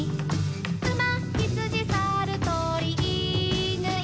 「うまひつじさるとりいぬい！」